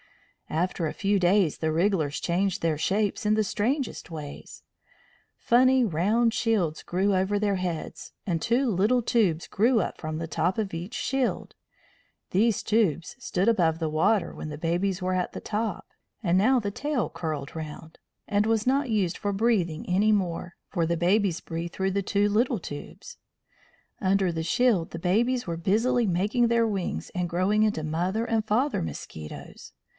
After a few days the wrigglers changed their shapes in the strangest ways. Funny round shields grew over their heads, and two little tubes grew up from the top of each shield. These tubes stood above the water when the babies were at the top, and now the tail curled round, and was not used for breathing any more, for the babies breathed through the two little tubes. Under the shield the babies were busily making their wings and growing into mother and father mosquitoes.